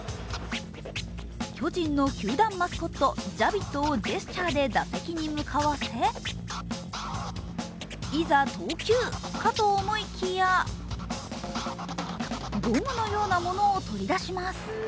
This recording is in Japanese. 巨人の球団マスコット・ジャビットをジェスチャーで打席に向かわせ、いざ投球！かと思いきやゴムのようなものを取り出します。